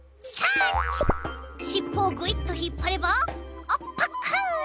しっぽをぐいっとひっぱればあパクッ！